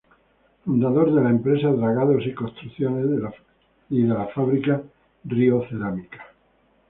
Fundador de la empresa Dragados y Construcciones y de la fábrica Río-Cerámica.